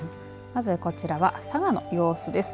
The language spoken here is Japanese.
まずこちらは佐賀の様子です。